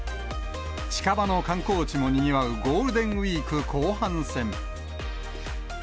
近場の観光地もにぎわうゴールデンウィーク後半戦。